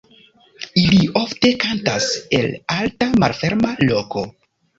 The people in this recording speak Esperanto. Ili ofte kantas el alta malferma loko.